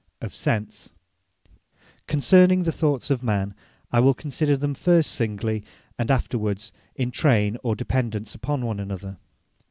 OF SENSE Concerning the Thoughts of man, I will consider them first Singly, and afterwards in Trayne, or dependance upon one another.